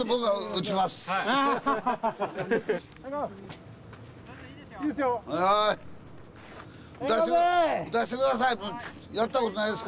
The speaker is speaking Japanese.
はい。